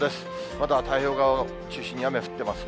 まだ太平洋側を中心に雨降ってますね。